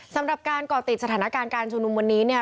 สำหรับการก่อติดสถานการณ์การชุมนุมวันนี้เนี่ย